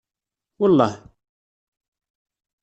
Welleh.